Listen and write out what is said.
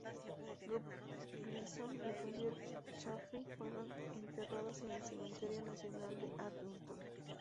Gus Grissom y Roger Chaffee fueron enterrados en el Cementerio Nacional de Arlington.